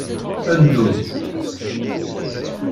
Nḍu.